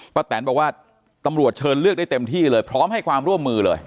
แตนบอกว่าตำรวจเชิญเลือกได้เต็มที่เลยพร้อมให้ความร่วมมือเลย